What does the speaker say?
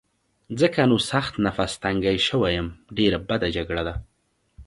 ځکه نو سخت نفس تنګی شوی یم، ډېره بده جګړه ده.